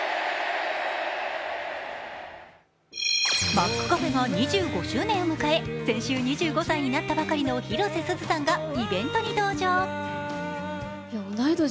マックカフェが２５周年を迎え、先週２５歳になったばかりの広瀬すずさんがイベントに登場。